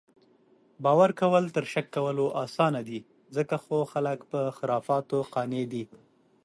باؤر کؤل تر شک کؤلو اسانه دي، ځکه خو خلک پۀ خُرفاتو قانع دي